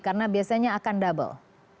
karena biasanya akan double